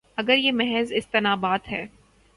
اگر یہ محض استنباط ہے۔